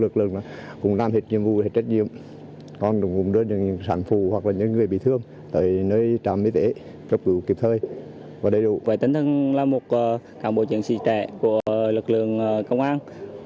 tính thân là một cảng bộ trưởng sĩ trẻ của lực lượng công an